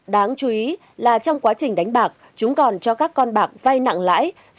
đáng chú ý là trong quá trình đánh bạc chúng còn cho các con bạc vai nặng lãi